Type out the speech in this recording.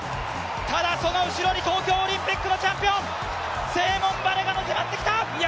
ただその後ろに東京オリンピックのチャンピオン、セレモン・バレガが迫ってきた！